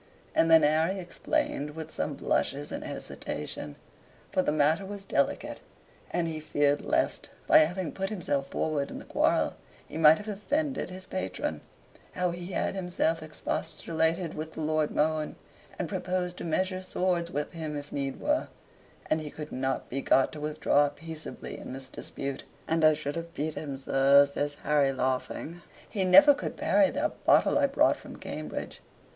And then Harry explained, with some blushes and hesitation (for the matter was delicate, and he feared lest, by having put himself forward in the quarrel, he might have offended his patron), how he had himself expostulated with the Lord Mohun, and proposed to measure swords with him if need were, and he could not be got to withdraw peaceably in this dispute. "And I should have beat him, sir," says Harry, laughing. "He never could parry that botte I brought from Cambridge.